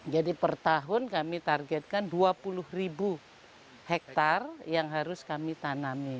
jadi per tahun kami targetkan dua puluh hektare yang harus kami tanami